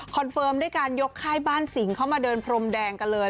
เฟิร์มด้วยการยกค่ายบ้านสิงเข้ามาเดินพรมแดงกันเลย